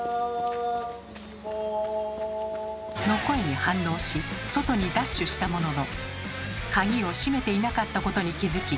の声に反応し外にダッシュしたものの鍵をしめていなかったことに気付き